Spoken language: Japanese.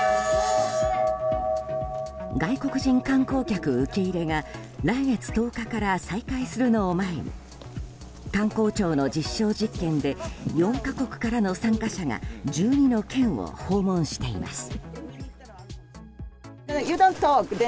外国人観光客受け入れが来月１０日から再開するのを前に観光庁の実証実験で４か国からの参加者が１２の県を訪問しています。